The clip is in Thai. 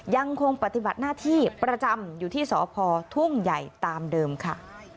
ยังคงปฏิบัติหน้าที่ประจำอยู่ที่สพทุ่งใหญ่ตามเดิมค่ะ